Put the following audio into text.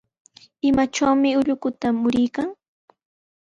Imichumi ullukuta muruykan.